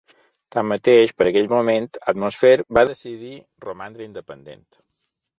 Tanmateix, per aquell moment, Atmosphere va decidir romandre independent.